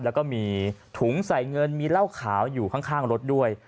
แล้วก็มีถุงใส่เงินมีเหล้าขาวอยู่ข้างรถด้วย